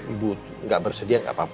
ibu gak bersedia nggak apa apa